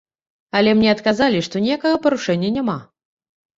Але мне адказалі, што ніякага парушэння няма.